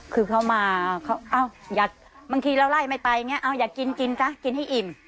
คือเขามาเขาอ้าวอย่าบางทีเราไล่ไม่ไปเนี่ยอ้าวอย่ากินกินซะกินให้อิ่ม